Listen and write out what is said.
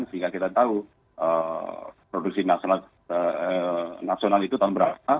sehingga kita tahu produksi nasional itu tahun berapa